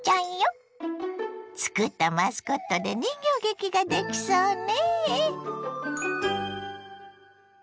つくったマスコットで人形劇ができそうね。